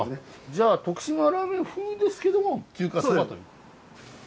じゃあ徳島ラーメン風ですけども中華そばという。